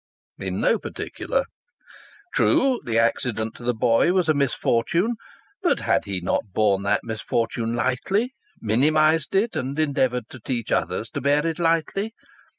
In no particular. True, the accident to the boy was a misfortune, but had he not borne that misfortune lightly, minimized it and endeavoured to teach others to bear it lightly?